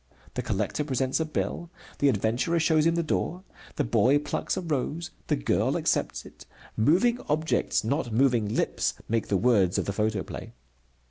The collector presents a bill: the adventurer shows him the door. The boy plucks a rose: the girl accepts it. Moving objects, not moving lips, make the words of the photoplay.